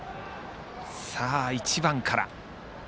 さあ、１番から。